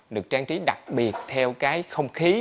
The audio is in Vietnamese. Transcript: được trang trí đặc biệt theo cái không khí